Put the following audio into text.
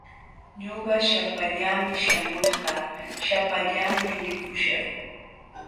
Ñuqa shapallaami shamulqaa, shapallaami likuśhaq.